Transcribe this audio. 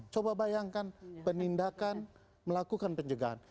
coba bayangkan penindakan melakukan pencegahan